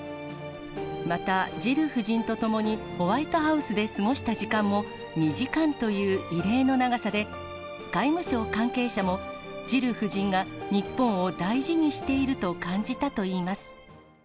また、ジル夫人と共にホワイトハウスで過ごした時間も、２時間という異例の長さで、外務省関係者も、ジル夫人が日本を大事にしていると感じたといいます。